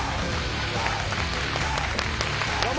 どうも。